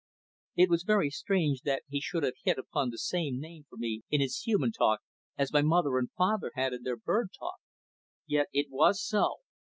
It was very strange that he should have hit upon the same name for me in his human talk as my father and mother had in their bird talk, yet it was so.